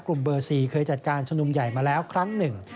กลุ่มเบอร์๔เคยจัดการชุมนุมใหญ่มาแล้วครั้งหนึ่ง